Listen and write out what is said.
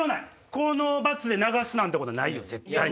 この罰で流すなんてことはないよ絶対。